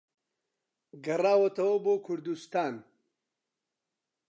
گەڕاوەتەوە بۆ کوردوستان